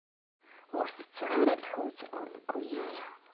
Ur tetteɣ ara lḥut ur newwi ara.